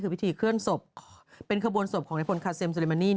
เป็นขบวนศพของไนฟนคาเซม